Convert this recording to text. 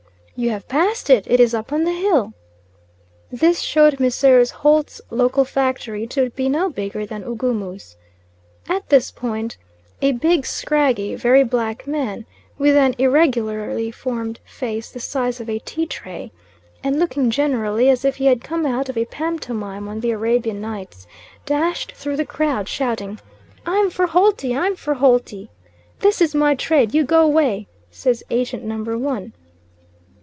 "You have passed it; it is up on the hill." This showed Messrs. Holt's local factory to be no bigger than Ugumu's. At this point a big, scraggy, very black man with an irregularly formed face the size of a tea tray and looking generally as if he had come out of a pantomime on the Arabian Nights, dashed through the crowd, shouting, "I'm for Holty, I'm for Holty." "This is my trade, you go 'way," says Agent number one.